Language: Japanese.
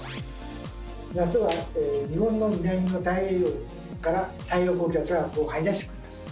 夏は日本の南の太平洋から太平洋高気圧がこう張り出してくるんです。